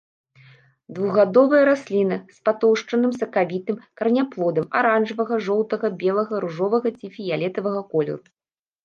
Двухгадовая расліна з патоўшчаным сакавітым караняплодам аранжавага, жоўтага, белага, ружовага ці фіялетавага колеру.